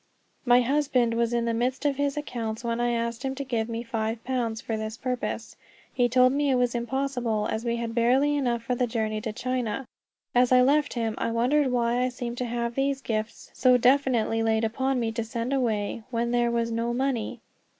My husband was in the midst of his accounts when I asked him to give me five pounds for this purpose. He told me it was impossible, as we had barely enough for the journey to China. As I left him I wondered why I seemed to have these gifts so definitely laid upon me to send away, when there was no money.